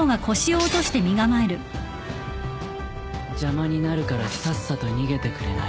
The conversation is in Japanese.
邪魔になるからさっさと逃げてくれない？